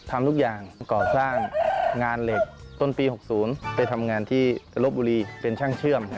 ทำทุกอย่างก่อสร้างงานเหล็กต้นปี๖๐ไปทำงานที่ลบบุรีเป็นช่างเชื่อม